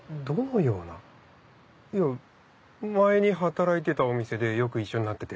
いや前に働いてたお店でよく一緒になってて。